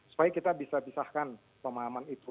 supaya kita bisa pisahkan pemahaman itu